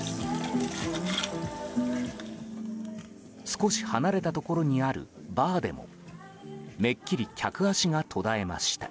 少し離れたところにあるバーでもめっきり客足が途絶えました。